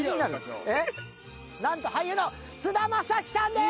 何と俳優の菅田将暉さんです！